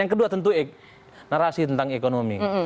yang kedua tentu narasi tentang ekonomi